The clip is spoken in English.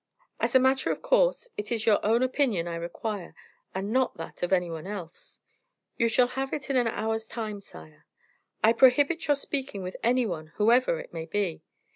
"As a matter of course, it is your own opinion I require, and not that of any one else." "You shall have it in an hour's time, sire." "I prohibit your speaking with any one, whoever it may be."